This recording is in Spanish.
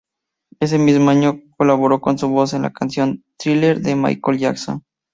Ese mismo año colaboró con su voz en la canción "Thriller", de Michael Jackson.